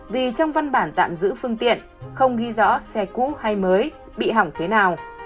vì trong văn bản tạm giữ phương tiện không ghi rõ xe cũ hay mới bị hỏng thế nào